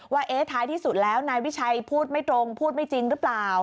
ว่าท้ายที่สุดแล้วนายวิชัยพูดไม่ตรงพูดไม่จริงหรือเปล่า